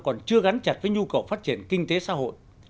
còn chưa gắn chặt với nhu cầu phát triển kinh tế xã hội